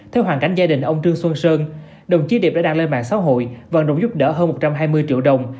theo hoàn cảnh gia đình ông trương xuân sơn đồng chí điệp đã đăng lên mạng xã hội vận động giúp đỡ hơn một trăm hai mươi triệu đồng